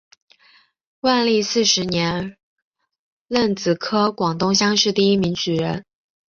万历四十年壬子科广东乡试第一名举人。